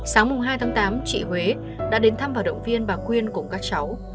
sáng hai tháng tám chị huế đã đến thăm và động viên bà quyên cùng các cháu